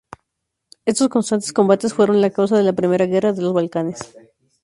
Estos constantes combates fueron la causa de la Primera Guerra de los Balcanes.